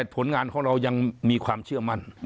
ผลงานของเรายังมีความเชื่อมั่น